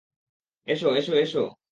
এসো, এসো, এসো!